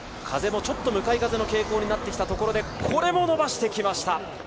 風も向かい風の傾向になってきたところで、これも伸ばしてきました